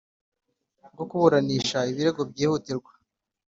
bwo kuburanisha ibirego byihutirwa